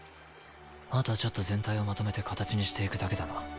あとはちょっと全体をまとめて形にしていくだけだな。